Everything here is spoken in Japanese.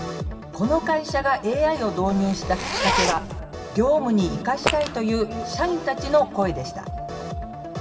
この会社がＡＩを導入したきっかけは業務に生かしたいという社員たちの声でした。